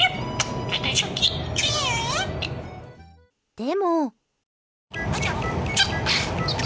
でも。